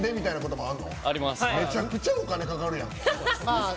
めちゃくちゃお金かかるやん。